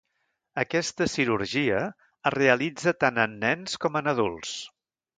Aquesta cirurgia es realitza tant en nens com en adults.